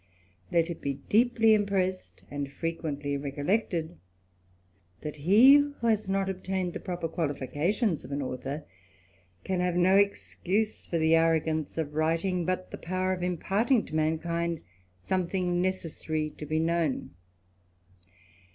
Let it be deeply impressed, and frequently recollectecJ* that he who has not obtained the proper qualifications of a,t* author, can have no excuse for the arrogance of writing, but the power of imparting to mankind something necessary to be known.